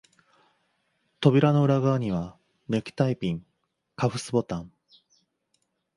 扉の裏側には、ネクタイピン、カフスボタン、